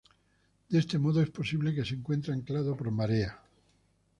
De este modo, es posible que se encuentre anclado por marea.